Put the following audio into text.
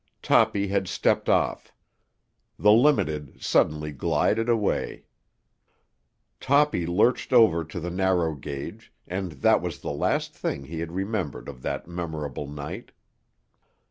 Toppy had stepped off. The Limited suddenly glided away. Toppy lurched over to the narrow gauge, and that was the last thing he had remembered of that memorable night.